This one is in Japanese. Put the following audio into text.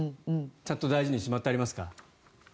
ちゃんと大事にしまっておきました。